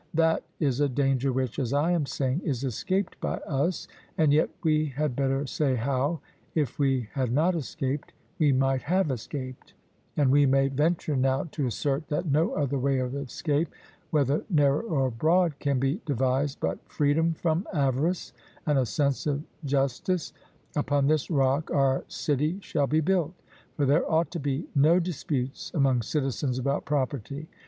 That is a danger which, as I am saying, is escaped by us, and yet we had better say how, if we had not escaped, we might have escaped; and we may venture now to assert that no other way of escape, whether narrow or broad, can be devised but freedom from avarice and a sense of justice upon this rock our city shall be built; for there ought to be no disputes among citizens about property.